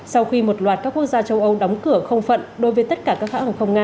sau khi một loạt các quốc gia châu âu đóng cửa không phận đối với tất cả các hãng hàng không nga